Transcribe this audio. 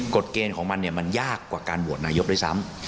เกณฑ์ของมันมันยากกว่าการโหวตนายกด้วยซ้ำ